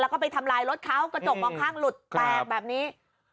แล้วก็ไปทำลายรถเขากระจกมองข้างหลุดแตกแบบนี้